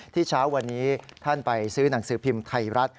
เช้าวันนี้ท่านไปซื้อหนังสือพิมพ์ไทยรัฐ